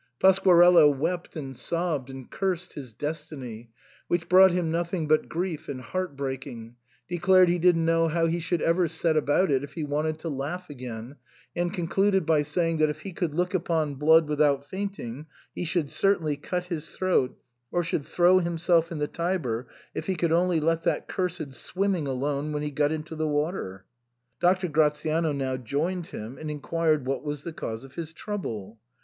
Pasquarello wept and sobbed, and cursed his destiny, which brought him nothing but grief and heart break ing, declared he didn't know how he should ever set about it if he wanted to laugh again, and concluded by saying that if he could look upon blood without faint ing, he should certainly cut his throat, or should throw himself in the Tiber if he could only let that cursed swimming alone when he got into the water. Doctor Gratiano now joined him, and inquired what was the cause of his trouble.